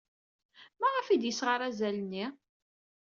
Maɣef ay d-yesɣa arazal-nni?